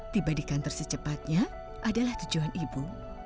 tiba di kantor secepatnya adalah tujuan ibu